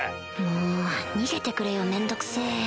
もう逃げてくれよ面倒くせ